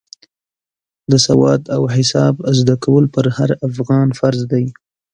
د سواد او حساب زده کول پر هر افغان فرض دی.